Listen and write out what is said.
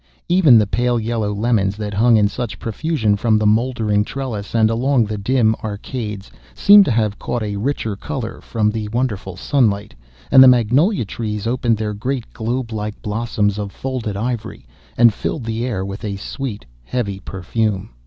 Even the pale yellow lemons, that hung in such profusion from the mouldering trellis and along the dim arcades, seemed to have caught a richer colour from the wonderful sunlight, and the magnolia trees opened their great globe like blossoms of folded ivory, and filled the air with a sweet heavy perfume.